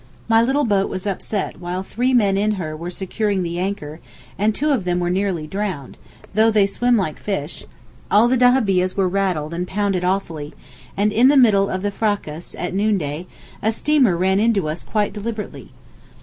My little boat was upset while three men in her were securing the anchor, and two of them were nearly drowned, though they swim like fish; all the dahabiehs were rattled and pounded awfully; and in the middle of the fracas, at noonday, a steamer ran into us quite deliberately.